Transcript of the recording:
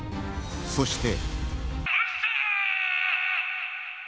そして。